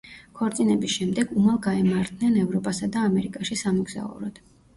ქორწინების შემდეგ უმალ გაემართნენ ევროპასა და ამერიკაში სამოგზაუროდ.